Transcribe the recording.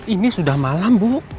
ini sudah malam bu